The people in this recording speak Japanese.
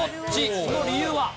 その理由は。